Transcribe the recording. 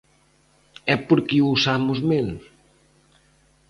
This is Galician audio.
¿E por que o usamos menos?